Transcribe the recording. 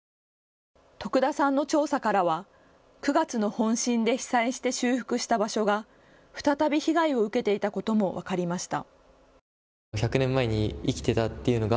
徳田さんの調査からは９月の本震で被災して修復した場所が再び被害を受けていたことも分かりました。